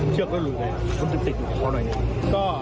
เชือกก็ลุยเลยเขาจะติดอยู่ข้อหน่อย